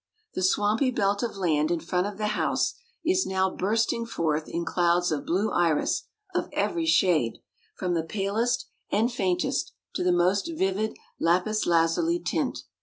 The swampy belt of land in front of the house is now bursting forth in clouds of blue iris of every shade, from the palest and faintest to the most vivid lapis lazuli tint.